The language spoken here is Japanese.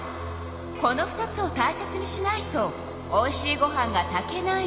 この２つをたいせつにしないとおいしいご飯が炊けないの。